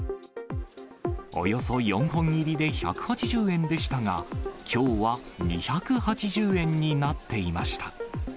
およそ４本入りで１８０円でしたが、きょうは２８０円になっていました。